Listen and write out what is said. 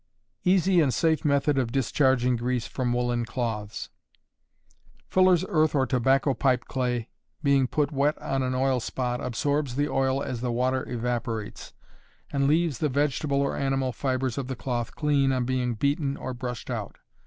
Easy and Safe Method of Discharging Grease from Woolen Cloths. Fuller's earth or tobacco pipe clay, being put wet on an oil spot, absorbs the oil as the water evaporates, and leaves the vegetable or animal fibres of the cloth clean on being beaten or brushed out.